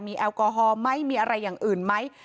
แอลกอฮอล์ไหมมีอะไรอย่างอื่นไหม